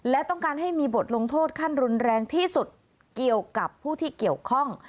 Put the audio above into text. และต้องการให้มีบทลงโทษขั้นรุนแรงที่สุดเกี่ยวกับผู้ที่เกี่ยวข้อง